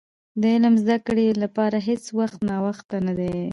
د علم زدي کړي لپاره هيڅ وخت ناوخته نه دي .